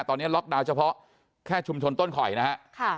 ตอนนี้ล็อกดาวน์เฉพาะแค่ชุมชนต้นข่อยนะฮะ